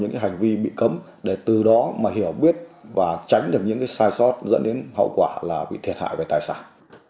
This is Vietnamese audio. những hành vi bị cấm để từ đó mà hiểu biết và tránh được những cái sai sót dẫn đến hậu quả là bị thiệt hại về tài sản